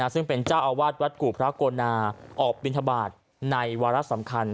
ซึ่งเป็นเจ้าอาวาสวัดกู่พระโกนาออกบินทบาทในวาระสำคัญ